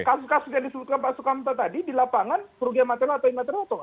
kasus kasus yang disebutkan pak sukamta tadi di lapangan kerugian material atau imaterial atau nggak